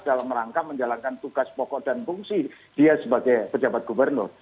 dalam rangka menjalankan tugas pokok dan fungsi dia sebagai pejabat gubernur